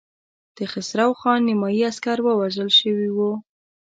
د خسرو خان نيمايي عسکر وژل شوي وو.